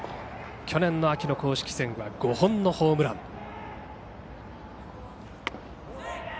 去年の秋の公式戦は５本のホームラン。